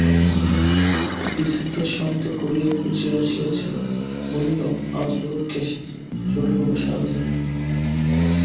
পিসিকে শান্ত করিয়া কুঁচি আসিয়াছিল, বলিল, আজ বড় কেশেছে ছোটবাবু সারাদিন।